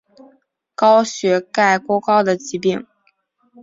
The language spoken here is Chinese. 高血钙过高的疾病。